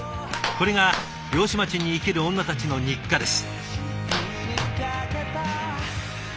これが漁師町に生きる女たちの日課です。